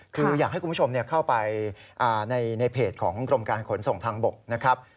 คืออยากให้คุณผู้ชมเข้าไปในเพจของกรมการขนส่งทางบกนะครับ